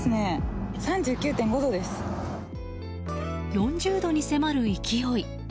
４０度に迫る勢い。